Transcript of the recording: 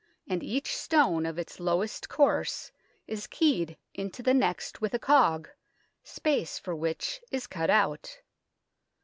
and each stone of its lowest course is keyed into the next with a cog, space for which is cut out.